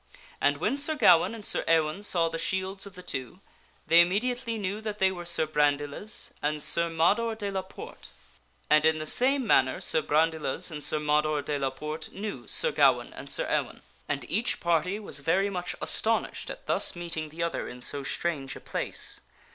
And when Sir Gawaine and Sir Ewaine saw the shields of the two, they immediately, knew Thethree that they were Sir Brandiles and Sir Mador de la Porte. knights meet And in the same manner Sir Brandiles and Sir Mador de la Porte knew Sir Gawaine and Sir Ewaine, and each party was very much 256 THE STORY OF SIR PELLIAS astonished at thus meeting the other in so strange a place.